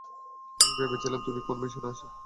আমি ভেবেছিলাম তুমি কোন মিশনে আছ।